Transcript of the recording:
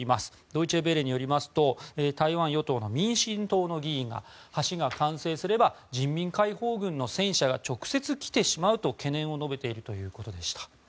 ドイチェ・ヴェレによりますと台湾与党の民進党の議員が橋が完成すれば人民解放軍の戦車が直接来てしまうと懸念を述べているということでした。